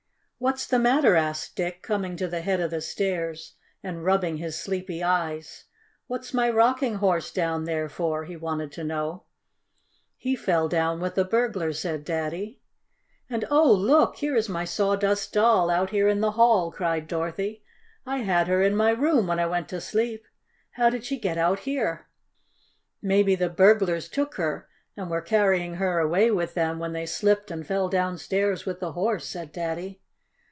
"What's the matter?" asked Dick, coming to the head of the stairs, and rubbing his sleepy eyes. "What's my Rocking Horse down there for?" he wanted to know. "He fell down with the burglars," said Daddy. [Illustration: White Rocking Horse Gives Sawdust Doll a Ride.] "And, oh, look! Here is my Sawdust Doll out here in the hall!" cried Dorothy. "I had her in my room when I went to sleep. How did she get out here?" "Maybe the burglars took her and were carrying her away with them when they slipped and fell downstairs with the Horse," said Daddy.